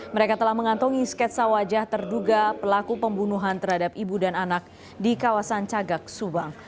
mereka telah mengantongi sketsa wajah terduga pelaku pembunuhan terhadap ibu dan anak di kawasan cagak subang